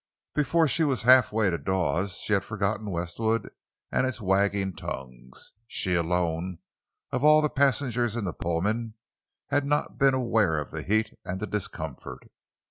Before she was half way to Dawes she had forgotten Westwood and its wagging tongues. She alone, of all the passengers in the Pullman, had not been aware of the heat and the discomfort.